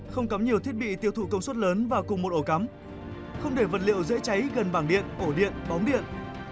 không cắm nhiều thiết bị tiêu thụ công suất lớn và cùng một ổ cắm không để vật liệu dễ cháy gần bảng điện ổ điện bóng điện